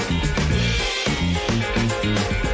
ว้าว